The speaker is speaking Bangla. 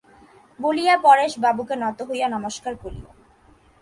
বলিয়া পরেশবাবুকে নত হইয়া নমস্কার করিল।